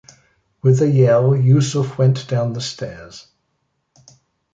With a yell Yusuf went down the stairs.